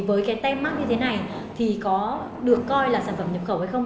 với cái tem mát như thế này thì có được coi là sản phẩm nhập khẩu hay không